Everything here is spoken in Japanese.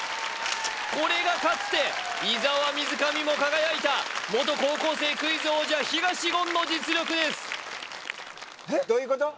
これがかつて伊沢水上も輝いた元高校生クイズ王者東言の実力ですどういうこと？